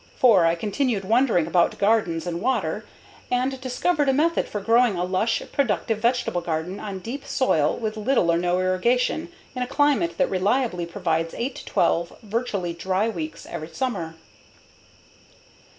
For I continued wondering about gardens and water, and discovered a method for growing a lush, productive vegetable garden on deep soil with little or no irrigation, in a climate that reliably provides 8 to 12 virtually dry weeks every summer.